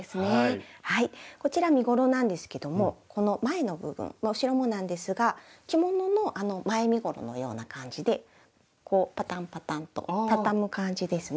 こちら身ごろなんですけどもこの前の部分後ろもなんですが着物の前身ごろのような感じでこうパタンパタンと畳む感じですね。